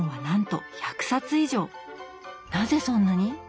なぜそんなに？